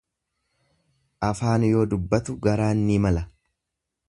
Afaan yoo dubbatu garaan ni mala.